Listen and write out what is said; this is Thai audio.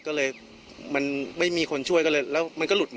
ดูลุดมืดก็เลยมีคนช่วยคือมันรู้